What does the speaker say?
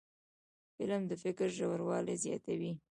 فلم د فکر ژوروالی زیاتوي